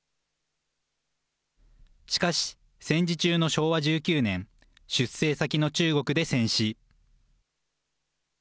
しかし、戦時中の昭和１９年出征先の中国で戦死。